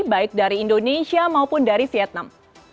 baik dari indonesia maupun dari vietnam